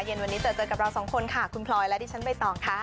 เย็นวันนี้เจอเจอกับเราสองคนค่ะคุณพลอยและดิฉันใบตองค่ะ